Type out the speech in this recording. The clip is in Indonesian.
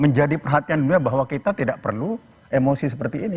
menjadi perhatian dunia bahwa kita tidak perlu emosi seperti ini